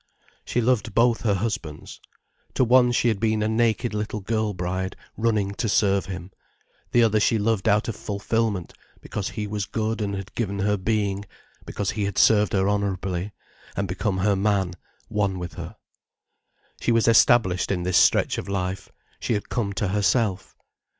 She loved both her husbands. To one she had been a naked little girl bride, running to serve him. The other she loved out of fulfilment, because he was good and had given her being, because he had served her honourably, and become her man, one with her. She was established in this stretch of life, she had come to herself.